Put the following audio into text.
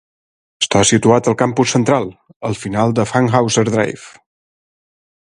Està situat al campus central, al final de Funkhouser Drive.